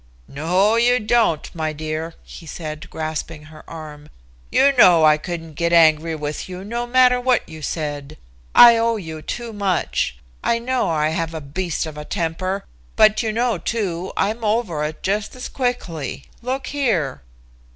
"No you don't, my dear," he said, grasping her arm. "You know I couldn't get angry with you no matter what you said. I owe you too much. I know I have a beast of a temper, but you know, too, I'm over it just as quickly. Look here."